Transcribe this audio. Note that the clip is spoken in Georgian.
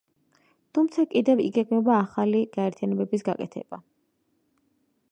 თუმცა კიდევ იგეგმება ახლი გაერთიანებების გაკეთება.